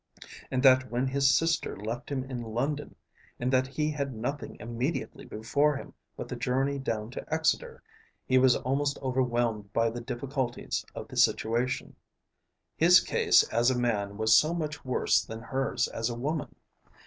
And that when his sister left him in London, and that he had nothing immediately before him but the journey down to Exeter, he was almost overwhelmed by the difficulties of the situation. His case as a man was so much worse than hers as a woman.